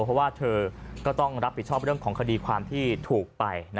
เพราะว่าเธอก็ต้องรับผิดชอบเรื่องของคดีความที่ถูกไป